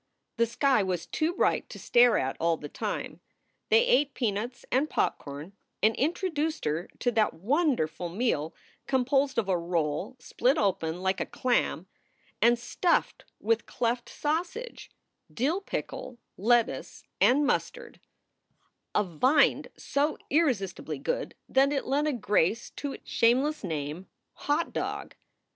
The sky was too bright to stare at all the time. They ate pea nuts and popcorn and introduced her to that wonderful meal composed of a roll split open like a clam and stuffed with cleft sausage, dill pickle, lettuce, and mustard, a viand SOULS FOR SALE 185 so irresistibly good that it lent a grace to its shameless name, "hot dog."